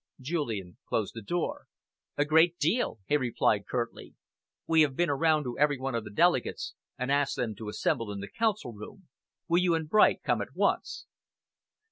Julian closed the door. "A great deal," he replied curtly. "We have been around to every one of the delegates and asked them to assemble in the Council room. Will you and Bright come at once?"